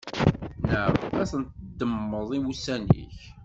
Neɣ ad tendemmeḍ i wussan-ik.